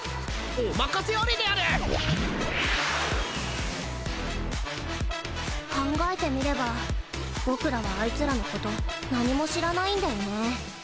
お任せあれである考えてみれば僕らはアイツらのこと何も知らないんだよね